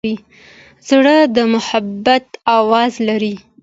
زړه د محبت آواز لري.